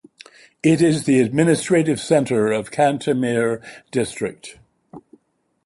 It is the administrative center of Cantemir District.